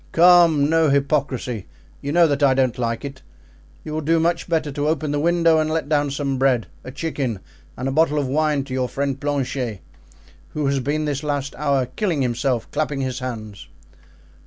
"Come, no hypocrisy! you know that I don't like it. You will do much better to open the window and let down some bread, a chicken and a bottle of wine to your friend Planchet, who has been this last hour killing himself clapping his hands."